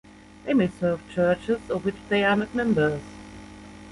They may serve churches of which they are not members.